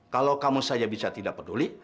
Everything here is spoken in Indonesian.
kalau kamu saja bisa tidak peduli